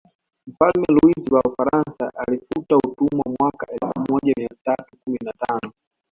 Mfalme Luis wa Ufaransa alifuta utumwa mwaka elfu moja mia tatu kumi na tano